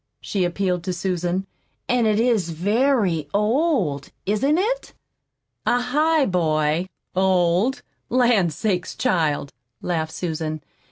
she appealed to Susan. "And it is very old, isn't it?" "A highboy? Old? Lan' sakes, child," laughed Susan.